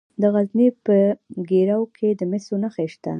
د غزني په ګیرو کې د مسو نښې شته.